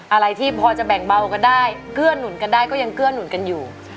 อะไรที่พอจะแบ่งเบากันได้เกื้อหนุนกันได้ก็ยังเกื้อหนุนกันอยู่